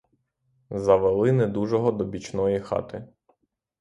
Завели недужого до бічної хати.